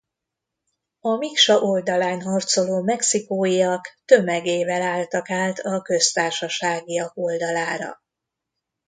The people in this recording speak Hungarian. A Miksa oldalán harcoló mexikóiak tömegével álltak át a köztársaságiak oldalára.